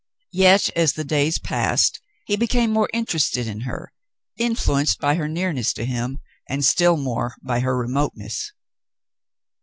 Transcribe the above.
Yet as the days passed, he became more interested in her, influenced by her near ness to him, and still more by her remoteness.